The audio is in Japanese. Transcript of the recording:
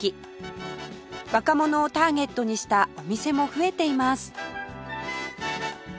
若者をターゲットにしたお店も増えています